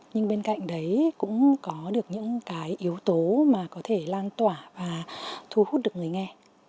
nhưng bên cạnh đấy cũng có được những cái yếu tố mà có thể lan tỏa và thu hút được người nghe